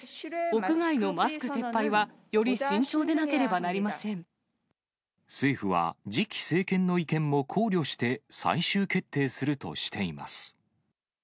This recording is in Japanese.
屋外のマスク撤廃はより慎重でな政府は、次期政権の意見も考慮して、最終決定するとしています。